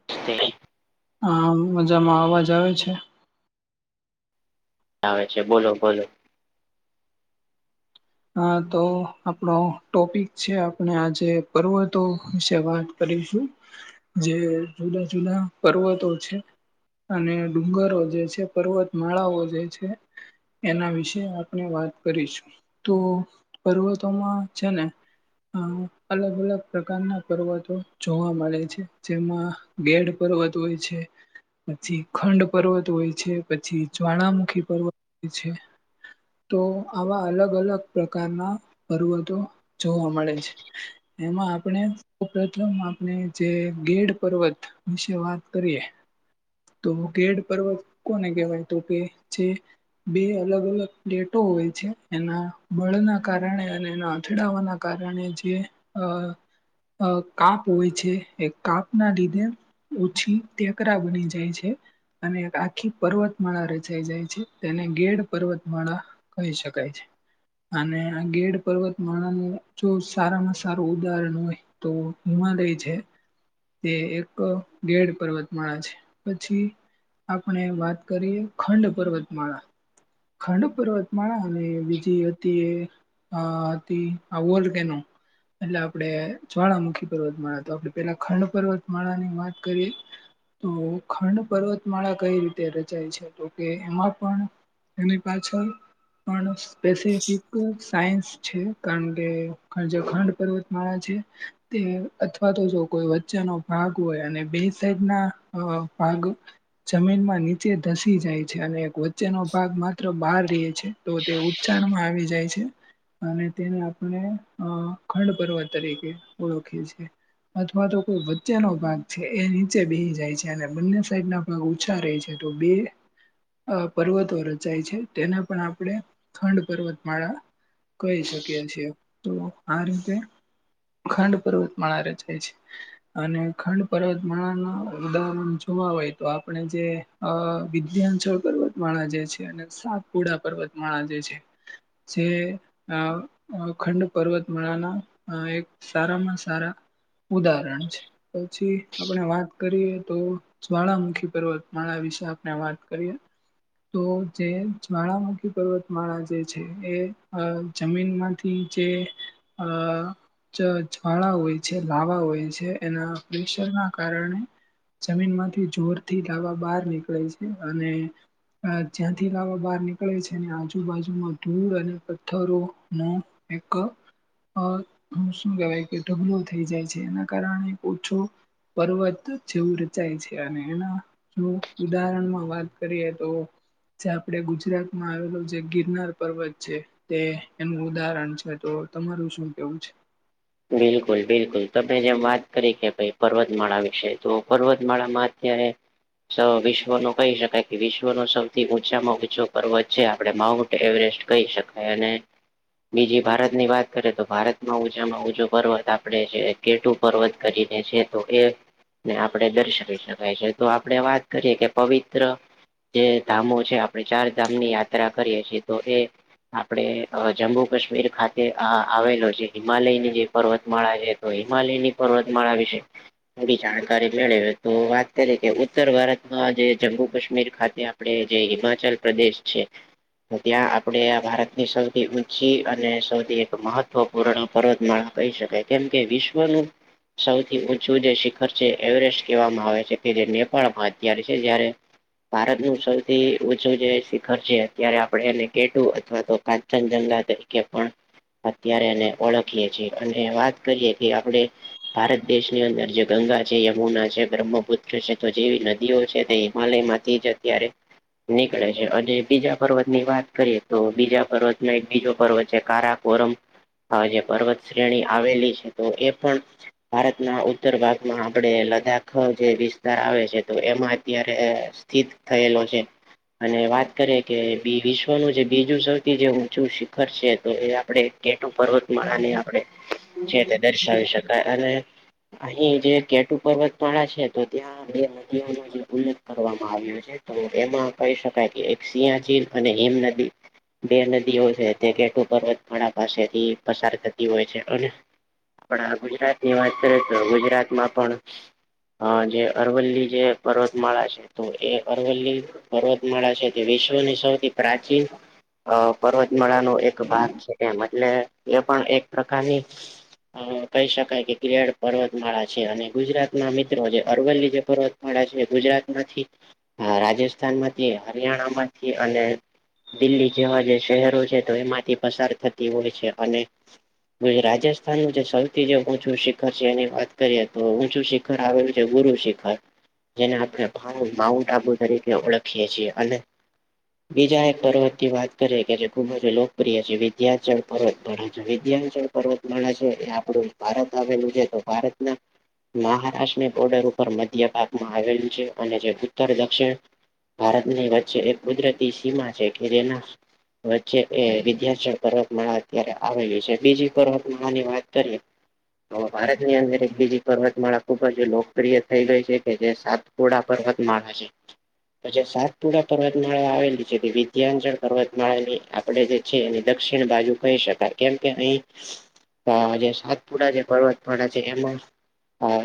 [inaudible] આ મજામાં અવાજ આવે છે. આવે છે બોલો બોલો. હા તો આપણો ટોપિક છે. આપણે આજે પર્વતો વિશે વાત. કરીશું જે જુદા જુદા પર્વતો છે. અને ડુંગરો જે છે પર્વતમાળાઓ જે છે. એના વિશે આપણે વાત કરીશું તો પર્વતોમાં છે ને. અ અલગ અલગ પ્રકારના પર્વતો જોવા મળે છે જેમાં. ગેડ પર્વત હોય છે. પછી ખંડ પર્વત હોય છે પછી જ્વાળામુખી પર્વત હોય છે. તો આવા અલગ અલગ પ્રકારના પર્વતો જોવા મળે છે. એમાં આપણે. તો પ્રથમ આપણે જે ગેડ પર્વત વિશે વાત કરીએ. તો ગેડ પર્વત કોને કહેવાય તો કે જે. બે અલગ અલગ ડેટો હોય છે. એના બળના કારણે અને એના અથડાવાના કારણે જે. અ કાપ હોય છે એ કાપ ના લીધે. ઓછી ટેકરા બની જાય છે. અને આખી પર્વતમાળા રચાઈ જાય છે તેને ગેડ પર્વતમાળા. કહી શકાય છે. અને આ ગેડ પર્વતમાળાનું જો સારામાં સારું ઉદાહરણ હોય. તો હુવા દઈ છે. તે એક ગેડ પર્વતમાળા છે પછી. આપણે વાત કરીએ ખંડ પર્વતમાળા. ખંડ પર્વતમાળા અને બીજી હતી એ હતી આો કેનો. એટલે આપણે જ્વાળામુખી પર્વતમાળા તો આપણે પેલા ખંડ પર્વતમાળા ની વાત કરીએ. તો ખંડ પર્વતમાળા કઈ રીતે રચાય છે તો કે એમાં પણ. એની પાછળ પણ સ્પેસિફિક સાયન્સ છે. કારણ કે જેખંડ પર્વત માળા છે. તે અથવા તો જો કોઈ વચ્ચાનો ભાગ હોય અને બે સાઈડ ના ભાગ. જમીન માં નીચે ધસી જાય છે અને એક વચ્ચે. ભાગ માત્ર બાર ર છે તો તે ઉચ્ચણમાં આવી જાય છે. અને તેને આપણે અ ખંડ પર્વત તરીકે ઓળખીએ છીએ. અથવા તો કોઈ વચ્ચેનો ભાગ છે એ નીચે બેસી જાય છે અને બંને સાઈડ ના. ઉછા રહે છે તો બે પર્વત. રચાય છે તેને પણ આપણે ખંડ પર્વતમાળા. કહી શકીએ છીએ તો આ રીતે. ખંડ પર્વત માર જાય છે. અને ખંડ પર્વતા ના ઉદહરણ જોવા હોય તો આપણે જે. અ વિદ્યાચળ પર્વતમાળા જે છે અને સાતપુડા પર્વતમાળા જે છે. જે. આ ખંડ પર્વતમાળાના એક સારામાં સારા. ઉદાહરણ છે પછી આપણે વાત કરીએ તો. જ્વાળાામુખી પર્વતમાળા વિશે આપણે વાત કરીએ. તો જે જ્વાળામુખી પર્વતમાળા જે છે એ જમીનમાં. થી જે અ. જ્વાળા હોય છે લાવા હોય છે એના પ્રેશર ના કારણે. જમીન માંથી જોરથી લાવા બહાર નીકળે છે અને. જ્યાંથી લાવા બહાર નીકળે છે અને આજુબાજુમાં ધૂળ અને પથ્થરો ન. એક. અ શું કેવાય કે ઢગલો થઈ જાય છે એના કારણે ઓછો. પર્વત જેવું રચાય છે અને એના. જો ઉદાહરણમાં વાત કરીએ તો. જે આપડે ગુજરાત માં આવેલું જે ગિરનાર પર્વત છે. તે એનું ઉદાહરણ છે તો તમારું શું કેવું છે. બિલકુલ બિલકુલ તમે જેમ વાત કરી કે પર્વતમાળા વિશે તો પર્વતમાળામાં અત્યારે વિશ્વ નો કહી શકાય કે વિશ્વનો સૌથી ઊંચામાં ઊં ચો પર્વત છે આપડે માઉડ એવરેસ્ટ કહી શકાય અને બીજી ભારત ની વાત કરીે તો ભારતમાં ઉચામાં પર્વત આપણે જે કેટું પર્વત કરીને છે તો એ ને આપણે દર્શાવી શકાય છે તો આપણે વાત કરીએ કે પવિત્ર જે ધામો છે આપણે ચાર ધામની યાત્રા કરીએ છીએ તો એ આપડ જમ્મુ કાશ્મીર ખાતે આવેલો જે હિમાલયની જે પર્વતમાળા છે તો હિમાલયની પર્વતમાળા વિશે થડી જાણકારી મેળ તો વાત કરી કે ઉત્તર ભારતમાં જે જમ્મુ કાશ્મીર ખાતે આપડે જે હિમાચલ પ્રદેશ છે. તો ત્યાં આપણેે આ ભારતની સૌથી ઊંચી અને સૌથી એક મહત્વપૂર્ણ પર્વતમાળા કહી શકાય કેમ કે વિશ્વનું સૌથી છું જે શિખર છે એવરેસ્ટ કહેવામાં આવે છે કે જે નેપાળમાં અત્યારે છે જારે ભારતનું સૌથી ઓછું જે શિખર છે અત્યારે આપ એને કેટું અથવા તો જનજંગા તરીકે પણ અત્યારે એને ઓળખીએ છીએ અને વાત કરીએ કે આપડે ભારત દેશની અંદર જે ગંગા છે યમુના છે બ્રહ્મપુદત્ર છે તો જેવી નદીઓ છે તે હિમાલયમાં થી અત્યારે નીકળે છેજ બીજા પર્વત ની વાત કરીએ તો બીજા પર્વત એક બીજો પર્વત છે કારાણ રમ જે પર્વત શ્રેણી આવેલી છે તો એ પણ ભારતના ઉત્તર ભાગમાં આપણે લદ્દાખ જે વિસ્તાર આવે છે તો એમાં અત્યારે સ્થિત થયેલો છે અને વાત કરીએ કે વિશ્વનું જે બીજું સૌથી જે ઊંચું શિખર છે તો એ આપડે. જેટું પર્વતમાળા અને આપણે જે તે દર્શાવી શકાય અને અહીં જે કેટુ પર્વત વાળા છે તો ત્યાં બે નદીઓ જે બુલેટ કરવામાં આવ્યો છે તો એમાં કહી શકાય કે સિંહચીર અને હેમનદી બે નદીઓ છે તે ગેટુ પર્વતમાળ પાસે થી પસાર થતા. હોય છે અને આપણા ગુજરાત ની વાત કરીએ તો ગુજરાતમાં પણ હ જે અરવલ્લી જે પર્વતમાળા છે તો એ અરવલ્લી પર્વતમાળા છે તે વિશ્વની સૌથી પ્રાચીન અ પર્વતમાળાનો એક ભાગ છે એ એટલે એ પણ એક પ્રકારની અ કહી શકાય કે ગિયાળ પર્વતમાળા છે અને ગુજરાત ના મિત્રો જે અરવલ્લી જે પર્વત છે ગુજરાત માંથી રાજસ્થાન માંથી હરિયાણા માંથી અને દિલ્હી જેવા જે શહેરો છે તો એમાંથી પસાર થતી હોય છે અને રાજસ્થાન નું જે સૌ થી જે ઊંચું શિખર છે એની વાત કરીએ તો ઊંચું શિખર આવેલું છે ગુરુ શિખર જેને આપણે ભાવ માઉન્ટ આબુ તરીકે ઓળખીએ છીએ અને બીજા એક પર્વત ની વાત કરી કે જે ખૂબજ લોકપ્રિય છે વિદ્યાચલ પર્વત પણ વિદ્યા પર્વતમાળા છે એ આપડું ભારત આવેલું છે તો ભારતના મહારાષ્ટ્રની બોર્ડર ઉપર મધ્ય ભાગમાં આવેલું છે અને જે ઉત્તર દક્ષિણ ભારતની વચ્ચે એક કુદરતી સીમા છે કે જેના વચ્ચે એ વિદ્યાર્થીઓ પર્વત માળા અત્યારે આવેલી છે બીજી હની વાત કરી એ. હ ભારત ની અંદર એક બીજી પર્વતમાળા ખુબ જ લોકપ્રિય થઈ ગઈ છે કે જે સાત કોડા પર્વત મારા છે. જે સાતપુરા પર્વતમાળા આવેલી છે તે વિદ્યાંચળ પર્વતમાળા ની આપડે જે છે એની દક્ષિણ બાજુ કહી શકાય કેમ કે અહી હ જે સાતપુરા જે પર્વતપળા છે એમાં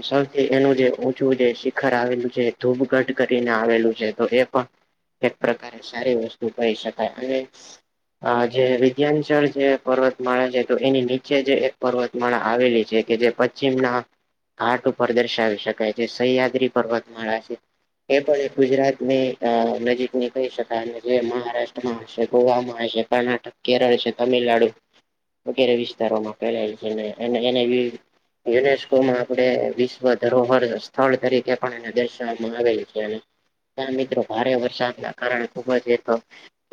સૌથી એનું જે છું જે શિખર આવેલું છે ધૂપગઢ કરીને આવેલું છે તો એ પણ એક પ્રકારે સારી વસ્તુ કઇ શકાય અને આ જે વિદ્યાંચળ જે પર્વતમાળા છે તો એની નીચે જે એક પર્વતમાળ આવેલી છે કે જે પશ્ચિમના હાથ ઉપર દર્શાવી શકાય છે સહિયાદ્રી પર્વતમાળા છે એ પણ એક ગુજરાત ની નજીક ની કહી શકાય જે મહારાષ્ટ્રમાં ગોવામાં આવે છે કર્ણાટક કેરળ છે તમિલનાડુ વગેરે વિસ્તારોમાં ફેલાય છે ને એને યુનેસ્કોમાં આપણે વિશ્વ ધરોહર સ્થળ તરીકે પણ એને દર્શવામાં આવેલ છે હ મિત્રો ભારે વરસાદના કારણે ખુબ જ તો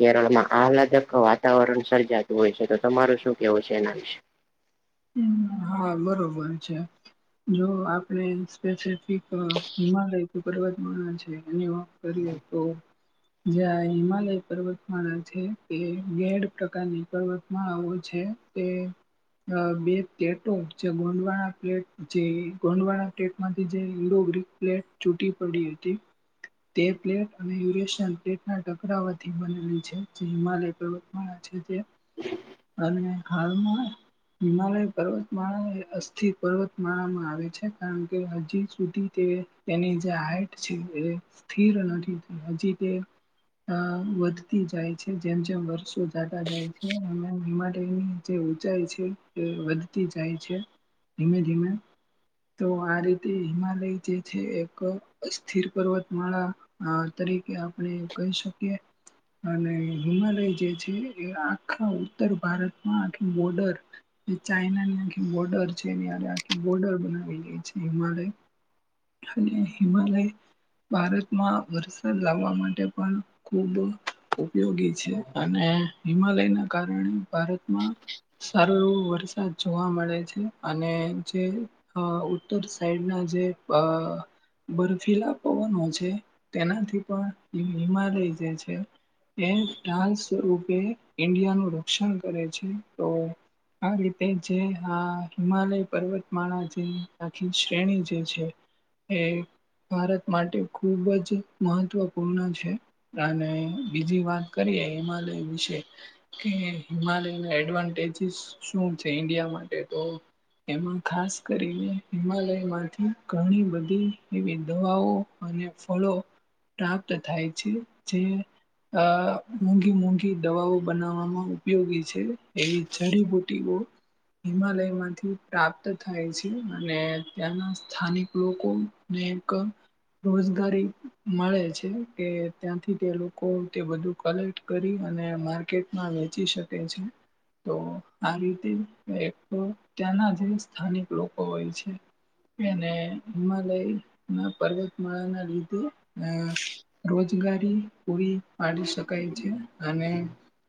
કેરળમાં આહલાદક વાતાવરણ સર્જાતું હોય છે તો તમારું શું કેવું છે એના વિશે હા બરોબર છે જો આપણે એક હિમાલય તો પર્વતમાંળા છે એની વાત કરીએ તો જ્યાં હિમાલય પર્વતમાળા છે તે ગેડ પ્રકારની પર્વત માળાઓ છે તે. બે પટો જે ગોંડવા પટ જે ગોંડવા પ્લેટ માંથી જે લીડ ગ્રીક પલેટ ચૂટી પડી હતી તે પ્લેટ અને યુશન પ્લેટ ટકરાથી બનેલી છે જે હિમાલય પર્વત અને હાલમાં હિમાલય પર્વત માળા અસ્થિર પર્વત માળામાં આવે છે કારણ કે હજી સુધી તે તેની જે હાઈટ છે એ સ્થિર નથી હજી તે અ વધતી જાય છે જેમ જેમ વર્ષો જતા જાય છે એમ એ માટેની જે ઊંચાઈ છે એ વધતી જાય છે ધીમે ધીમે તો આ રીતે હિમાલય જે છે એક સ્થિર પર્વતમાળા આ તરીકે આપણે કહી શકીએ અને હિમાલય જે છે એ આખા ઉત્તર ભારતમાં આખી બોર્ડર એ ચાઈનાની આખી બોર્ડર છે આખી બોર્ડર બનાવી લઈ છે હિમાલય અને હિમાલય ભારતમાં વરસાદ લાવવા માટે પણ ખૂબ ઉપયોગી છે અને હિમાલયના કારણે ભારતમાં સારો એવો વરસાદ જોવા મળે છે અને જે અ ઉત્તર સાઈડ ના જે અ બરફીલા પવનો છે તેનાથી પણ હિમાલય જે છે એ ઢાળ સ્વરૂપે ઇન્ડિયાનું રક્ષણ કરે છે તો આ રીતે જે આ હિમાલય પર્વતમાળા જે આખી શ્રેણી જે છે એ ભારત માટે ખૂબ જ મહત્વપૂર્ણ છે. અને બીજી વાત કરીએ હિમાલય વિશે કે હિમાલય એડવાન્ટેજીસ શું છે ઇન્ડિયા માટે તો એમાં ખાસ કરીને હિમાલયમાંથી ઘણી બધી એવી દવાઓ અને ફળો પ્રાપ્ત થાય છે જે આ મોંઘી મોંઘી દવાઓ બનાવવામાં ઉપયોગી છે એવી જડીબુટ્ટી મું [inaudible] હિમાલયમાંથી પ્રાપ્ત થાય છે અને ત્યાંના સ્થાનિક લોકો [inaudible] રોજગારી મળે છે કે ત્યાંથી તે લોકો તે બધું કલેક્ટ કરી અને માર્કેટમાં વેચી શકે છે તો આ રીતે એક ત્યાંના જે સ્થાનિક લોકો હોય છે અને હિમાલય ના પર્વતમાળા ના લીધે અ રોજગારી પૂરી પાડી શકાય છે અને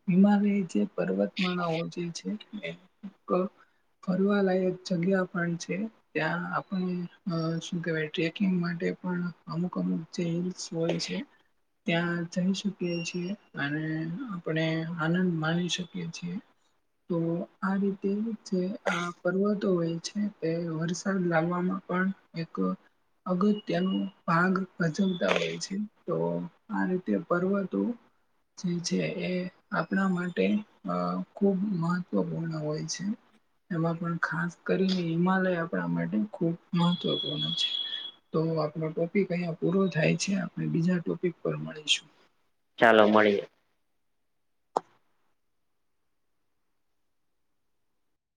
હીમાલય જે પર્વતમાળાઓ જે છે એ ક ફરવાલાાયક જગ્યા પણ છે. ત્યાં આપણે અ શું કેવાય ટ્રેકિંગ માટે પણ અમુક અમુક. ચેસ હોય છે. ત્યાં જઈ શકીએ છીએ અને આપણે આનંદ માણી શકીએ છીએ. તો. આ રીતે જે આ પર્વતો હોય છે તે વરસાદ લાવવામાં પણ એક. અગત્યનો ભાગ ભજવતા હોય છે તો આ રીતે પર્વતો જે છે એ આપણા માટે અ ખૂબ મહ ત્વ પૂર્ણ હોય છે. એમાં પણ ખાસ કરીને હિમાલય આપણા માટે ખૂબ મહત્વપૂર્ણ છે. તો આપનો ટોપિક અહીંયા પૂરો થાય છે આપણે બીજા ટોપિક પર મળીશું. ચાલો મળીએ.